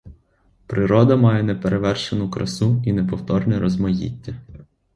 Природа має неперевершену красу і неповторне розмаїття.